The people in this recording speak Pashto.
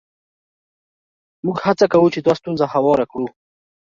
موږ هڅه کوو چې دا ستونزه هواره کړو.